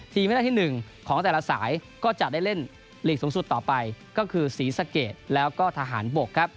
ไม่ได้ที่๑ของแต่ละสายก็จะได้เล่นลีกสูงสุดต่อไปก็คือศรีสะเกดแล้วก็ทหารบกครับ